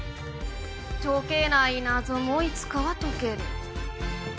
解けない謎もいつかは解ける。